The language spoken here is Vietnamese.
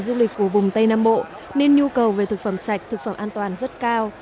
du lịch của vùng tây nam bộ nên nhu cầu về thực phẩm sạch thực phẩm an toàn rất cao